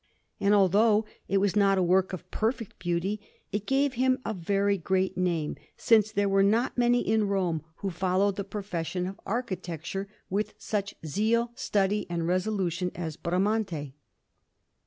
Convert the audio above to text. And although it was not a work of perfect beauty, it gave him a very great name, since there were not many in Rome who followed the profession of architecture with such zeal, study, and resolution as Bramante.